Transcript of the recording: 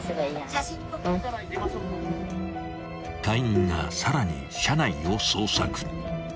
［隊員がさらに車内を捜索］